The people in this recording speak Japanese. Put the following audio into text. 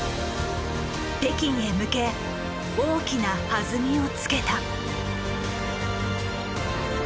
北京へ向け大きな弾みをつけた。